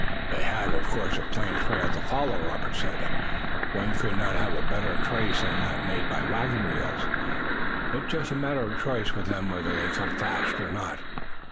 "They have, of course, a plain trail to follow," Robert said. "One could not have a better trace than that made by wagon wheels. It's just a matter of choice with them whether they come fast or not."